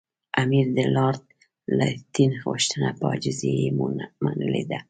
امیر د لارډ لیټن غوښتنه په عاجزۍ منلې ده.